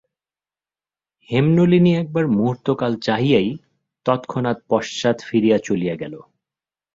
হেমনলিনী একবার মুহূর্তকাল চাহিয়াই তৎক্ষণাৎ পশ্চাৎ ফিরিয়া চলিয়া গেল।